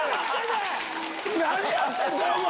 何やってんだよ、お前！